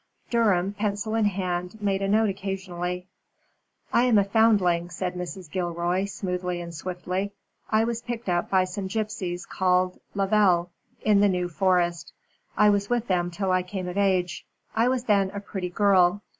Durham, pencil in hand, made a note occasionally. "I am a foundling," said Mrs. Gilroy, smoothly and swiftly. "I was picked up by some gypsies called Lovel, in the New Forest. I was with them till I came of age. I was then a pretty girl.